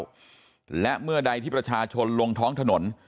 พันเท่าหมื่นเท่าและเมื่อใดที่ประชาชนลงท้องถนน